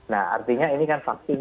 nah artinya ini kan vaksin